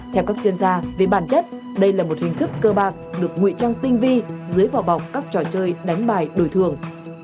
theo các chuyên gia với bản chất đây là một hình thức cơ bạc được nguy trang tinh vi dưới vỏ bọc các trò chơi đánh bài đổi thường